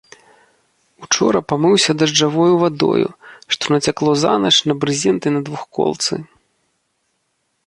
Учора памыўся дажджавою вадою, што нацякло занач на брызенты на двухколцы.